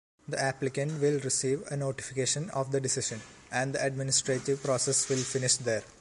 The applicant will receive a notification of the decision, and the administrative process will finish there.